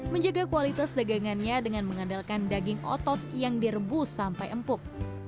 menjaga kualitas dagangannya dengan mengandalkan daging otot yang direbus sampai empuk